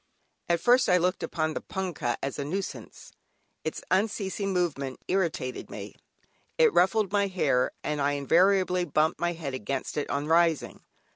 At first I looked upon the "Punkah" as a nuisance, its unceasing movement irritated me, it ruffled my hair, and I invariably bumped my head against it on rising.